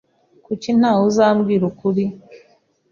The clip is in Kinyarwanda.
Kuki ntawe uzambwira ukuri?